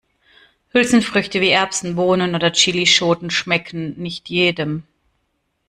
Hülsenfrüchte wie Erbsen, Bohnen oder Chillischoten schmecken nicht jedem.